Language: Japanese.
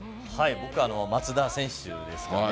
僕は松田選手ですかね。